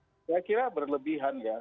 saya kira berlebihan ya